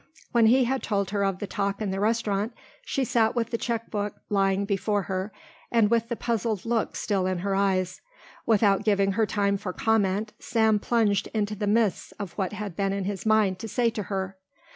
When he had told her of the talk in the restaurant she sat with the checkbook lying before her and with the puzzled look still in her eyes. Without giving her time for comment, Sam plunged into the midst of what had been in his mind to say to her.